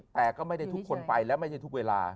แต่ก็ไม่ได้ทุกคนไปแล้วไม่ใช่ทุกเวลา